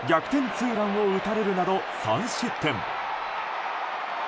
ツーランを打たれるなど３失点。